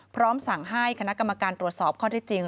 พร้อมสั่งให้คณะกรรมการตรวจสอบข้อที่จริง